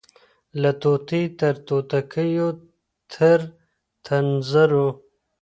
له طوطي تر توتکیو تر تنزرو